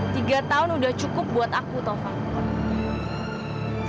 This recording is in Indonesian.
tiga tahun udah cukup buat aku tova